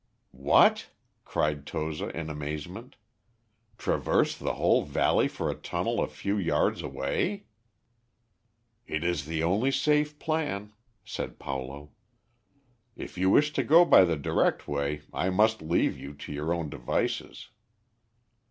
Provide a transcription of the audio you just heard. "What!" cried Toza in amazement, "traverse the whole valley for a tunnel a few yards away?" "It is the only safe plan," said Paulo. "If you wish to go by the direct way, I must leave you to your own devices."